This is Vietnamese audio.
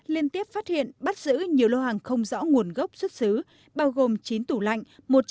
liên tiếp phát hiện bắt giữ nhiều lô hàng không rõ nguồn gốc xuất xứ bao gồm chín tủ lạnh